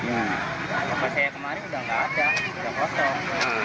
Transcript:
masa yang kemarin sudah tidak ada sudah kosong